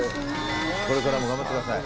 これからも頑張ってください。